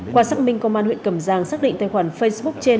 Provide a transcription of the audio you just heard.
qua xác minh công an huyện cẩm giang xác định tài khoản facebook trên